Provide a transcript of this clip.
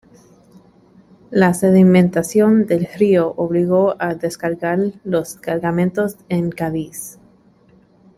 La sedimentación del río obligó a descargar los cargamentos en Cádiz.